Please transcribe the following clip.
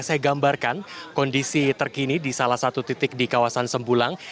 saya gambarkan kondisi terkini di salah satu titik di kawasan sembulang